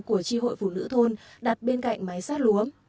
của tri hội phụ nữ thôn đặt bên cạnh máy sát luống